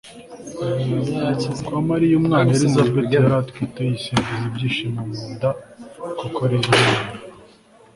kwa mariya umwana elizabeti yari atwite yisimbizanya ibyishimo mu nda. koko rero imana